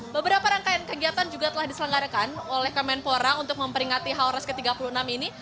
beberapa rangkaian kegiatan juga telah diselenggarakan oleh kemenpora untuk memperingati haornas ke tiga puluh enam ini